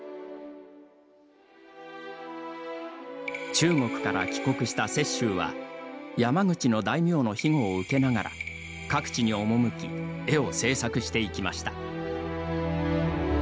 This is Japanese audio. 中国から帰国した雪舟は山口の大名のひごを受けながら各地に赴き絵を制作していきました。